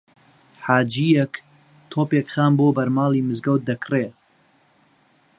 حاجییەک تۆپێک خام بۆ بەرماڵی مزگەوت دەکڕێ